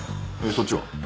そっちは？